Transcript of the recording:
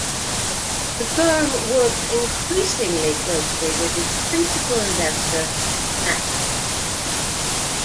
The firm worked increasingly closely with its principal investor Matra.